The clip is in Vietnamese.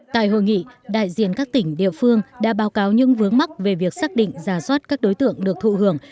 tại hội nghị đại diện các tỉnh địa phương đã báo cáo những vướng mắc về việc xác định giả soát các đối tượng được thụ hưởng